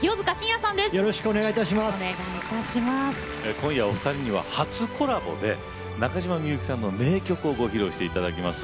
今夜お二人には初コラボで中島みゆきさんの名曲をご披露して頂きます。